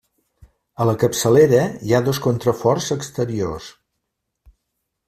A la capçalera hi ha dos contraforts exteriors.